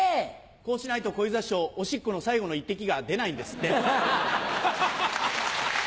こうしないと小遊三師匠おしっこの最後の１滴が出ないんですって。